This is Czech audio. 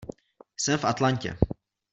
Jsem v Atlantě.